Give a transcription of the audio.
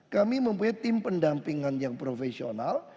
kami mempunyai tim pendampingan yang profesional